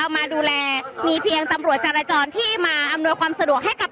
มาดูแลมีเพียงตำรวจจารจรที่มาอำนวยความสะดวกให้กับ